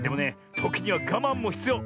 ときにはがまんもひつよう！